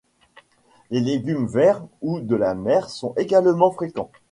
Les légumes verts ou de la mer sont également fréquents.